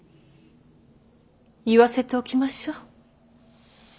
言わせておきましょう。